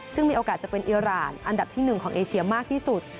ซึ่งมีโอกาสจะเป็นอิราณอันดับที่๑ของเอเชียมากที่สุด